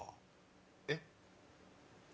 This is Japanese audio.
えっ？